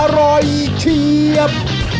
อร่อยเชียบ